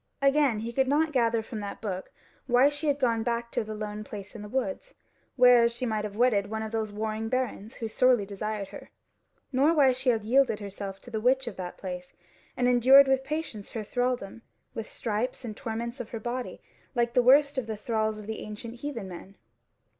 Again, he could not gather from that book why she had gone back to the lone place in the woods, whereas she might have wedded one of those warring barons who sorely desired her: nor why she had yielded herself to the witch of that place and endured with patience her thralldom, with stripes and torments of her body, like the worst of the thralls of the ancient heathen men.